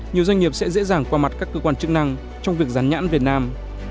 nhiều doanh nghiệp sẽ dễ dàng qua mặt các cơ quan chức năng trong việc rán nhãn việt nam